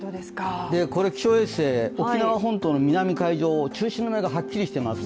気象衛星、沖縄本島の南海上中心部がはっきりしています。